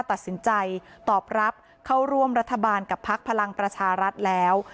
ตัดสินใจตอบรับเข้าร่วมรัฐบาลกับพักพลังประชารัฐแล้ว